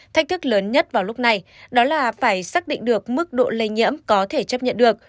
thách thức lớn nhất vào lúc này đó là phải xác định được mức độ lây nhiễm có thể chấp nhận được